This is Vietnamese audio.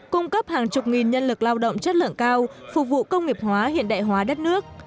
cung cấp hàng chục nghìn nhân lực lao động chất lượng cao phục vụ công nghiệp hóa hiện đại hóa đất nước